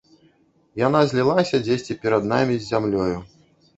Яна злілася дзесьці перад намі з зямлёю.